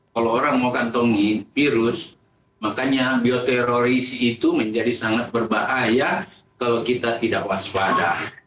kalau orang mau kantongi virus makanya bioteroris itu menjadi sangat berbahaya kalau kita tidak waspada